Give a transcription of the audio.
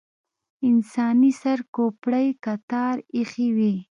انساني سر کوپړۍ کتار ایښې وې.